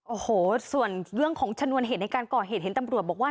โอ้โหส่วนเรื่องของชนวนเหตุในการก่อเหตุเห็นตำรวจบอกว่า